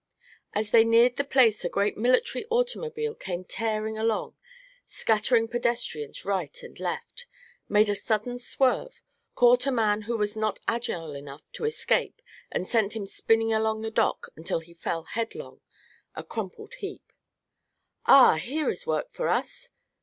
As they neared the place a great military automobile came tearing along, scattering pedestrians right and left, made a sudden swerve, caught a man who was not agile enough to escape and sent him spinning along the dock until he fell headlong, a crumpled heap. "Ah, here is work for us!"